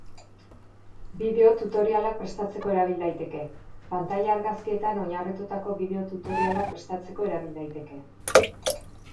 Bideo-tutorialak prestatzeko erabil daiteke, pantaila-argazkietan oinarritutako bideo-tutorialak prestatzeko erabil daiteke.